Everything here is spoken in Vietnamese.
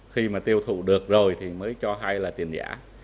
khi mà tiêu thụ được rồi thì mới cho hay là tiền giả